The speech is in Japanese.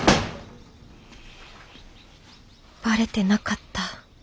バレてなかった。